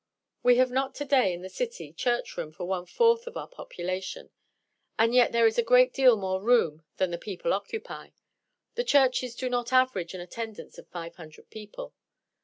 We have not to day, in the cities, church room for one fourth of our population; and yet there is a great deal more room than the people occupy. The churches do not average an attendance of five hundred people.